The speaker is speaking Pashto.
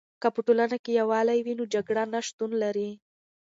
که په ټولنه کې یوالی وي، نو جګړه نه شتون لري.